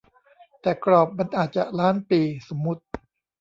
แต่กรอบมันอาจจะล้านปี สมมติ